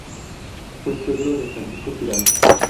Fue suegro de Francisco Giral.